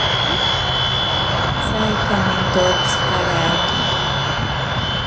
Saikamentotsi karake.